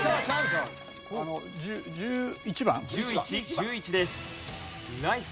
１１です。